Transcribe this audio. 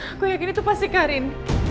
aku yakin itu pasti karin